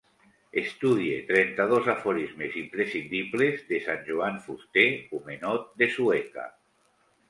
Estudie trenta-dos aforismes imprescindibles de sant Joan Fuster, homenot de Sueca